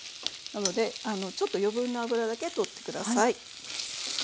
なのでちょっと余分な脂だけ取って下さい。